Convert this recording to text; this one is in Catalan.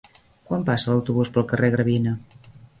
Quan passa l'autobús pel carrer Gravina?